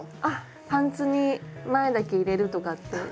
あっパンツに前だけ入れるとかって。